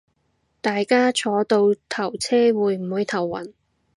但大家坐倒頭車會唔會頭暈